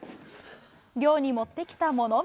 寮に持ってきたものは。